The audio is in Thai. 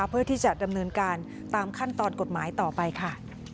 เพื่อที่จะดำเนินการตามขั้นตอนกฎหมายต่อไปค่ะ